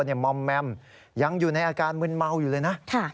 มอมแมมยังอยู่ในอาการมึนเมาอยู่เลยนะ